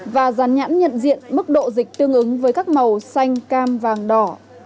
và rán nhãn nhận diện mức độ dịch tương ứng với các màu xanh cam vàng đỏ